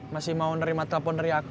masih mau nerima telepon dari aku